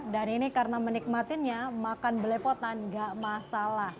dan ini karena menikmatinya makan belepotan nggak masalah